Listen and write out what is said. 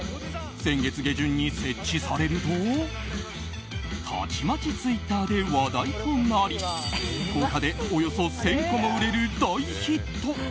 先月下旬に設置されるとたちまちツイッターで話題となり１０日でおよそ１０００個も売れる大ヒット。